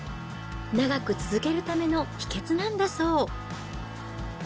長く続けるための秘けつなんだそう。